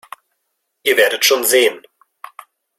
Ihr werdet schon sehen.